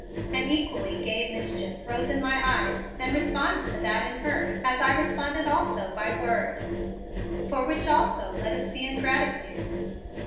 An equally gay mischief rose in my eyes and responded to that in hers as I responded also by word: "For which also let us be in gratitude."